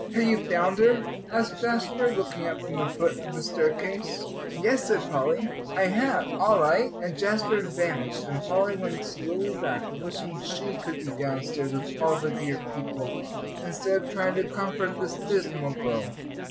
"Have you found her?" asked Jasper, looking up from the foot of the staircase. "Yes," said Polly, "I have." "All right." And Jasper vanished, and Polly went slowly back, wishing she could be downstairs with all the dear people, instead of trying to comfort this dismal girl.